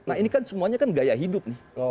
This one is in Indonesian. nah ini kan semuanya gaya hidup